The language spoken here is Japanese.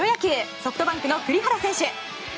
ソフトバンクの栗原選手。